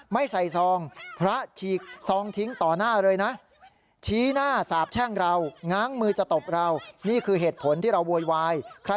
ไม่ใส่ทรองพระฉีกทรองทิ้งต่อหน้าเลยนะ